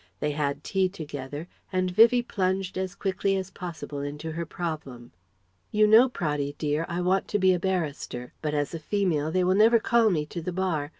They had tea together and Vivie plunged as quickly as possible into her problem. "You know, Praddy dear, I want to be a Barrister. But as a female they will never call me to the Bar.